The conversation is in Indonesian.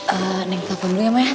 eee neng telfon dulu ya ma ya